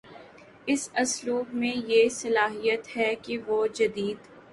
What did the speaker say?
اس اسلوب میں یہ صلاحیت ہے کہ وہ جدید